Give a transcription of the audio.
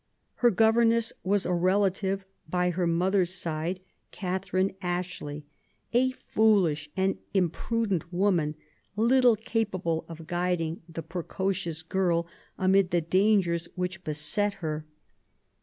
Her governess was a relative by her mother's side, Catherine Ashley, a foolish and im prudent woman, little capable of guiding the pre cocious girl amid the dangers which beset her.